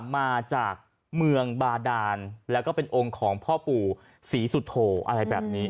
มาจากเมืองบาดานแล้วก็เป็นองค์ของพ่อปู่ศรีสุโธอะไรแบบนี้